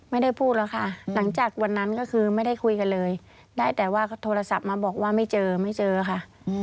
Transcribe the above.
ไม่ได้พูดแล้วค่ะหลังจากวันนั้นก็คือไม่ได้คุยกันเลยได้แต่ว่าโทรศัพท์มาบอกว่าไม่เจอไม่เจอค่ะ